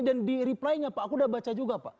dan di reply nya pak aku udah baca juga pak